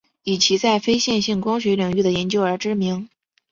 以其在非线性光学领域的研究而知名。